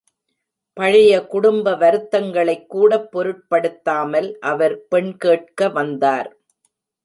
பழைய குடும்ப வருத்தங்களைக்கூடப் பொருட்படுத்தாமல் அவர் பெண் கேட்க வந்தார்.